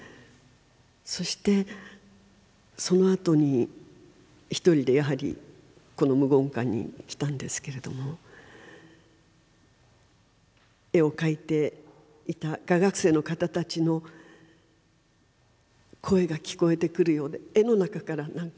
そしてそのあとに１人でやはりこの無言館に来たんですけれども絵を描いていた画学生の方たちの声が聞こえてくるようで絵の中から何かもっと描きたいというような思いが